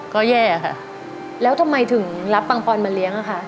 ก็แย่ค่ะแล้วทำไมถึงรับปังปอนมาเลี้ยงอะค่ะ